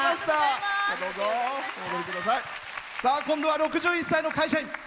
今度は６１歳の会社員。